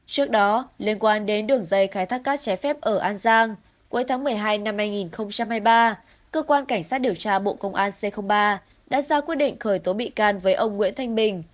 trước đó liên quan đến đường dây khai thác cát trái phép ở an giang cuối tháng một mươi hai năm hai nghìn hai mươi ba cơ quan cảnh sát điều tra bộ công an c ba đã ra quyết định khởi tố bị can với ông nguyễn thanh bình